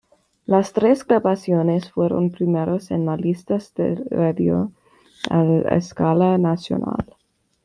Las tres grabaciones fueron primeros en las listas de radio a escala nacional.